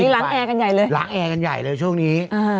ล้างแอร์กันใหญ่เลยล้างแอร์กันใหญ่เลยช่วงนี้